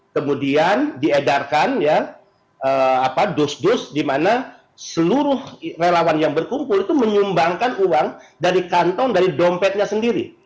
kemudian diedarkan dos dus di mana seluruh relawan yang berkumpul itu menyumbangkan uang dari kantong dari dompetnya sendiri